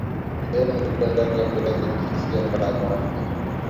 lehemu iliyo ndani ya viazi lishe sio mbaya kwa afya